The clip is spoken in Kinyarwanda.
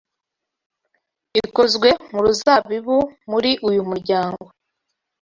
ikozwe mu ruzabibu muri uyu muryango